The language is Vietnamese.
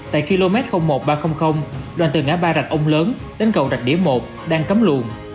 tại km một ba trăm linh đoạn từ ngã ba rạch ông lớn đến cầu rạch đĩa một đang cấm luồng